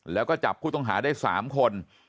แล้วก็จับผู้ต้องหาได้๓คน